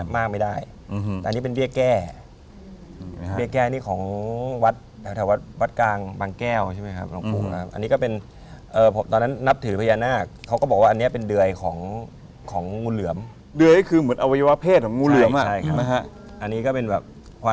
มันเยอะไป๓ก็คือผมก็บอกกับตัวเราเองว่า